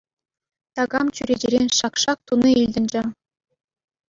Такам чӳречерен шак-шак туни илтӗнчӗ.